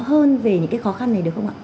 hơn về những cái khó khăn này được không ạ